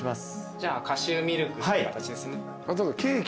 じゃあカシューミルクって形ですね。